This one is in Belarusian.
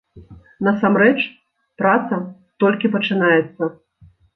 Насамрэч, праца толькі пачынаецца.